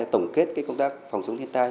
tổng kết công tác phòng chống thiên tai